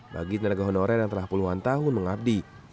bagi tenaga honorer yang telah puluhan tahun mengabdi